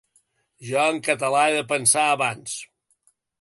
Jo en català he de pensar abans.